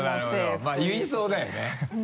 まぁ言いそうだよね。